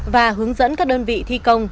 và hướng dẫn các đơn vị thi công